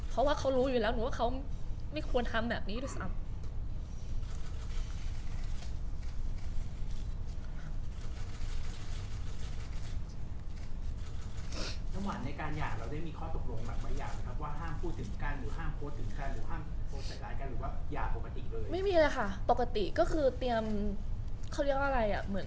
เพราะว่าเขารู้อยู่แล้วหนูว่าเขาไม่ควรทำแบบนี้ด้วยซ้ำ